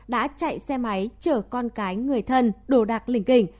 đã chạy xe máy chở con cái người thân đồ đạc lĩnh kình